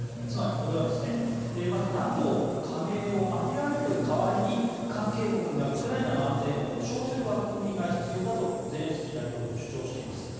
つまり、これはＮＡＴＯ加盟を諦める代わりに関係国がウクライナの安全を保障する枠組みが必要だとゼレンスキー大統領主張しています。